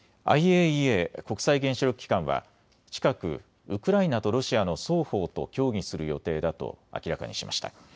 ＩＡＥＡ・国際原子力機関は近くウクライナとロシアの双方と協議する予定だと明らかにしました。